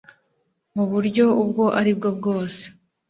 mu buryo ubwo ari bwo bwose